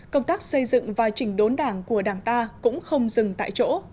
công tác xây dựng và chỉnh đốn đảng của đảng ta cũng không dừng tại chỗ